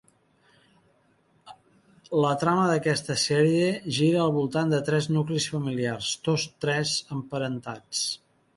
La trama d'aquesta sèrie gira al voltant de tres nuclis familiars, tots tres emparentats.